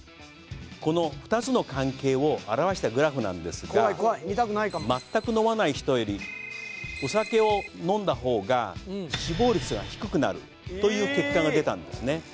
この２つの関係を表したグラフなんですが全く飲まない人よりお酒を飲んだ方が死亡率が低くなるという結果が出たんですね